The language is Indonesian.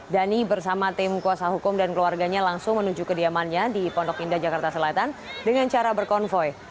dhani bersama tim kuasa hukum dan keluarganya langsung menuju kediamannya di pondok indah jakarta selatan dengan cara berkonvoy